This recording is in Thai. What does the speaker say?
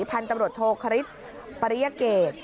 พันธุ์ตำรวจโทคริสปริยเกต